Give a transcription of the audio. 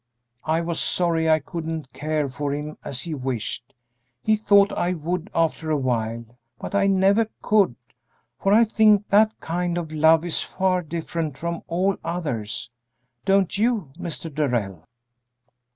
I was sorry I couldn't care for him as he wished; he thought I would after a while, but I never could, for I think that kind of love is far different from all others; don't you, Mr. Darrell?"